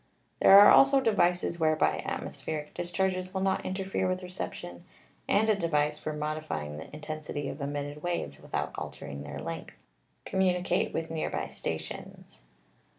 There are also devices whereby atmospheric discharges will not interfere with reception, and a device for modify ing the intensity of emitted waves without altering their length communicate with near by stations.